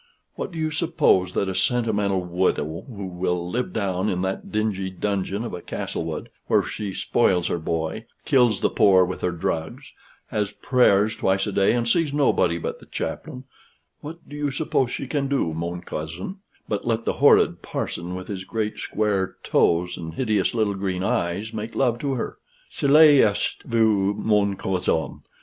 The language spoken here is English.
"What do you suppose that a sentimental widow, who will live down in that dingy dungeon of a Castlewood, where she spoils her boy, kills the poor with her drugs, has prayers twice a day and sees nobody but the chaplain what do you suppose she can do, mon Cousin, but let the horrid parson, with his great square toes and hideous little green eyes, make love to her? Cela c'est vu, mon Cousin.